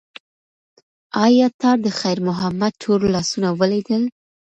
ایا تا د خیر محمد تور لاسونه ولیدل؟